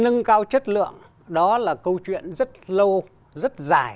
nâng cao chất lượng đó là câu chuyện rất lâu rất dài